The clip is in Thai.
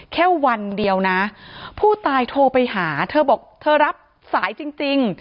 แค่วันเดียวนะผู้ตายโทรไปหาเธอบอกเธอรับสายจริง